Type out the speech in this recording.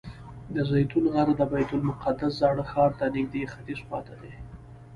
د زیتون غر د بیت المقدس زاړه ښار ته نږدې ختیځ خوا ته دی.